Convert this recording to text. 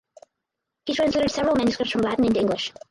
He translated several manuscripts from Latin into English.